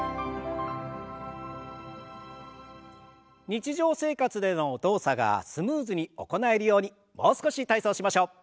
日常生活での動作がスムーズに行えるようにもう少し体操をしましょう。